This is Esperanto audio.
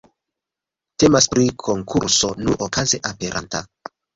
Temas pri konkurso nur okaze aperanta.